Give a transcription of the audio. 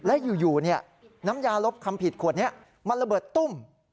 และอยู่น้ำยาลบคำผิดขวดนี้มันระเบิดตุ้ม